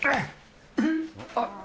あっ！